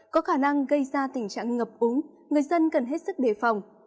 có khả năng gây ra tình trạng ngập úng người dân cần hết sức đề phòng